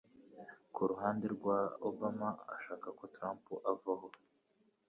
Kuruhande rwa obama ashaka ko trump avaho